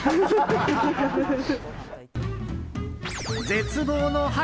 絶望の春！